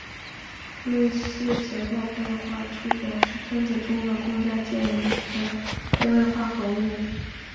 路易斯结构可以画出表示分子中的共价键以及配位化合物。